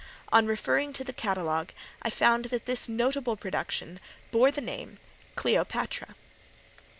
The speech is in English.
On referring to the catalogue, I found that this notable production bore the name "Cleopatra."